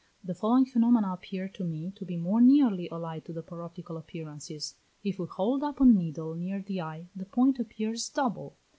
The following phenomena appear to me to be more nearly allied to the paroptical appearances. If we hold up a needle near the eye, the point appears double.